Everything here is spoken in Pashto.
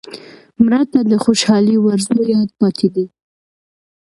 مړه ته د خوشحالۍ ورځو یاد پاتې دی